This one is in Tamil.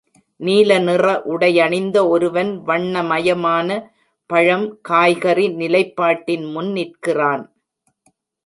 நீல நிற உடையணிந்த ஒருவன் வண்ணமயமான பழம், காய்கறி நிலைப்பாட்டின் முன் நிற்கிறான்.